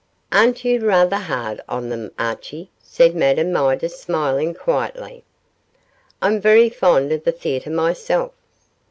'Aren't you rather hard on them, Archie?' said Madame Midas, smiling quietly. 'I'm very fond of the theatre myself.